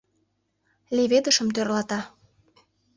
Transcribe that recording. Леведышым тӧрлата.